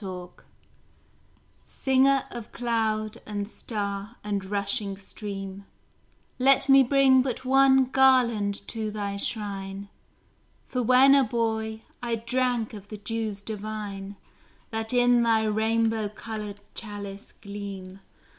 SHELLEY Singer of cloud and star and rushing stream, Let me bring but one garland to thy shrine, For when a boy I drank of the dews divine That in thy rainbow coloured chalice gleam.